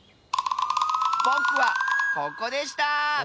ぼくはここでした！